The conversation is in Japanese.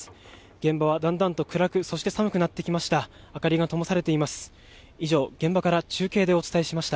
現場はだんだんと暗くそして寒くなってきました。